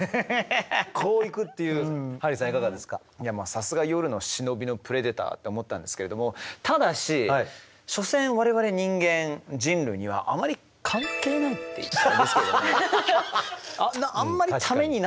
さすが夜の忍びのプレデターって思ったんですけれどもただし所詮我々人間人類にはあまり関係ないって言ったらあれですけどもあんまりためになってないっていうか。